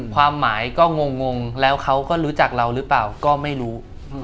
ความหมายก็งงแล้วเขาก็รู้จักเราหรือเปล่าก็ไม่รู้